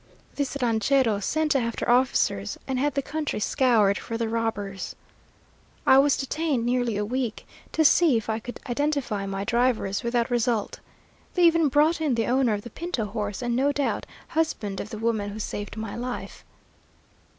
This ranchero sent after officers and had the country scoured for the robbers. I was detained nearly a week, to see if I could identify my drivers, without result. They even brought in the owner of the Pinto horse, and no doubt husband of the woman who saved my life.